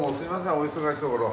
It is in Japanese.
お忙しいところ。